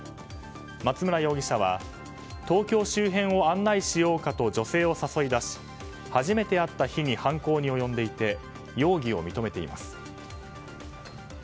松村容疑者は東京周辺を案内しようかと女性を誘い出し初めて会った日に犯行に及んでいて容疑を認めています。